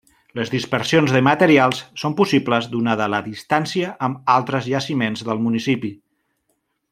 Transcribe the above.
Les dispersions de materials són possibles donada la distància amb altres jaciments del municipi.